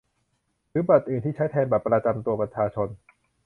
หรือบัตรอื่นที่ใช้แทนบัตรประจำตัวประชาชน